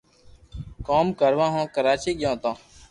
ڪوم ڪروا ھون ڪراچي گيو تو